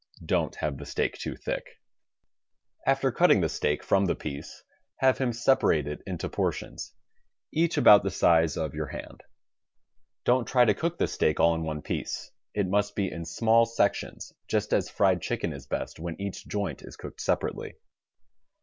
Don't have the steak too thick. After cutting the steak from the piece, have him separate THE STAG COOK BOOK it into portions, each about the size of your hand. Don't try to cook the steak all in one piece. It must be in small sections, just as fried chicken is best when each joint is cooked separately.